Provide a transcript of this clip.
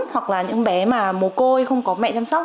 hoặc là những bé mà mồ côi không có mẹ chăm sóc